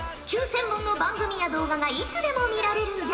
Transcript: ９，０００本の番組や動画がいつでも見られるんじゃ。